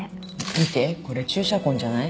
見てこれ注射痕じゃない？